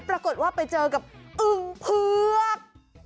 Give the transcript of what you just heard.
ปรากฏว่าไปเจอกับอึงเผือก